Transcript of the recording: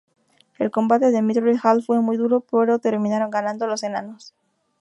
El combate en Mithril hall fue muy duro pero terminaron ganando los enanos.